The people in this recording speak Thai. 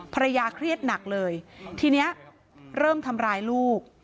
ภรรยาเครียดหนักเลยทีนี้เริ่มทำร้ายลูก